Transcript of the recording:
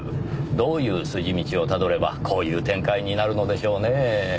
どういう筋道をたどればこういう展開になるのでしょうねぇ？